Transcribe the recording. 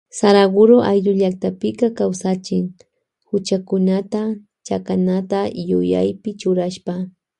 Saraguro ayllu llaktapika kawsachin huchakunata chakanata yuyaypi churashpa.